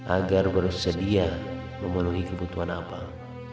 agar bersedia memenuhi kebutuhan apel